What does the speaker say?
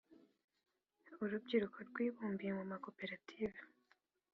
urubyiruko rwibumbiye mu ma koperative